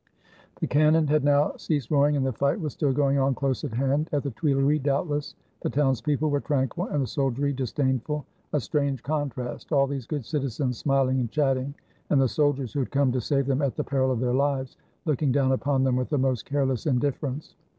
The cannon had now ceased roaring, and the fight was still going on close at hand — at the Tuileries doubt less. The townspeople were tranquil and the soldiery disdainful. A strange contrast; all these good citizens smiling and chatting, and the soldiers, who had come to save them at the peril of their lives, looking down upon them with the most careless indifference.